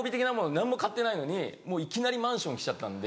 何も買ってないのにいきなりマンション来ちゃったんで。